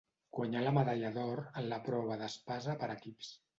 Guanyà la medalla d'or en la prova d'espasa per equips.